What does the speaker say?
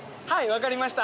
わかりました。